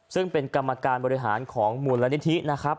ซึ่งเป็นกรรมการบริหารของมูลละนิทิ